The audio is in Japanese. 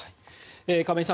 亀井さん